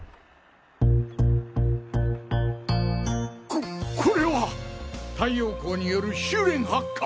ここれは太陽光による収れん発火。